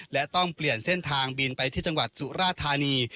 และต้องเปลี่ยนเส้นทางบินไปที่จังหวัดสุราธานี